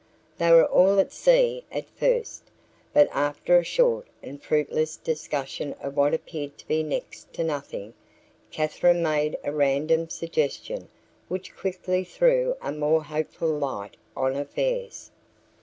They were all at sea at first, but after a short and fruitless discussion of what appeared to be next to nothing, Katherine made a random suggestion which quickly threw a more hopeful light on affairs.